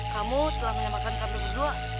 kamu telah menyamakan kami berdua